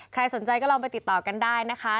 ใครสนใจก็ลองไปติดต่อกันได้นะคะ